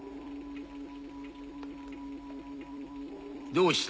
どうした？